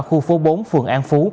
khu phố bốn phường an phú